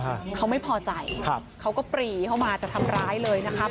ชีวิตเขาไม่พอใจเขาก็ปรีเข้ามาจะทำร้ายเลยนะครับ